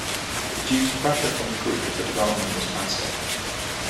Due to pressure from the group, the development was cancelled.